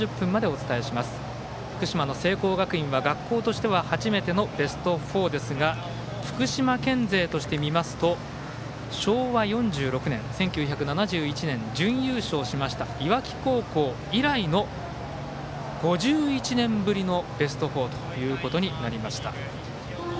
福島の聖光学院は、学校としては初めてのベスト４ですが福島県勢としてみますと昭和４６年１９７８年準優勝しました磐城高校以来の５１年ぶりのベスト４ということになりました。